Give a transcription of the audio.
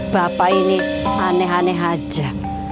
bapak ini aneh aneh aja